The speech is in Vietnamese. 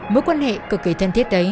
mối quan hệ cực kỳ thân thiết đấy